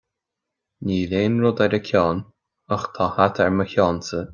Níl aon rud ar a ceann, ach tá hata ar mo cheannsa